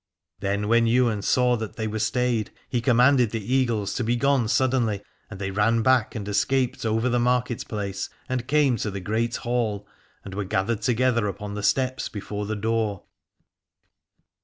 Then 346 Aladore when Ywain saw that they were stayed, he commanded the Eagles to be gone suddenly: and they ran back and escaped over the market place, and came to the Great Hall and were gathered together upon the steps before the door.